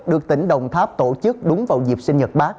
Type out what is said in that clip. được tỉnh đồng tháp tổ chức đúng vào dịp sinh nhật bác